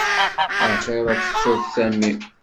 Axir ad tettuḍ Sami.